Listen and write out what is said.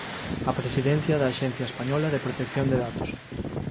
A Presidencia da Axencia Española de Protección de Datos.